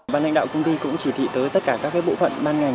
ban lãnh đạo công ty cũng chỉ thị tới tất cả các bộ phận ban ngành